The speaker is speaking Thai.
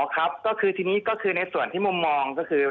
ครับก็คือทีนี้ก็คือในส่วนที่มุมมองก็คือ